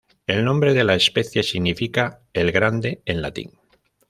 El nombre de la especie significa "el grande" en latín.